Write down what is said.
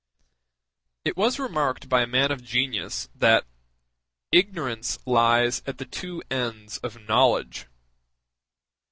It was remarked by a man of genius that "ignorance lies at the two ends of knowledge."